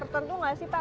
tertentu gak sih pak